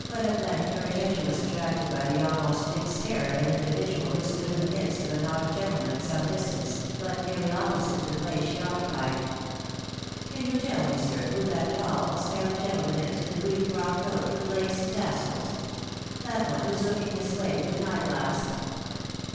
at length her attention was attracted by the almost fixed stare of an individual who stood in the midst of a knot of gentlemen at some distance, but nearly opposite to the place she occupied. " Can you tell me, sir, who that tall, stout gentleman is in the green frock coat, with lace and tassels ?.... That one who is looking this way with an eye glass."